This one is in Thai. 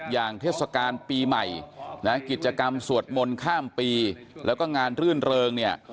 เทศกาลปีใหม่นะกิจกรรมสวดมนต์ข้ามปีแล้วก็งานรื่นเริงเนี่ย